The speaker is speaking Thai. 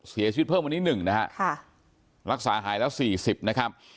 เสียชีวิตเพิ่มวันนี้๑นะฮะรักษาหายแล้ว๔๐นะครับ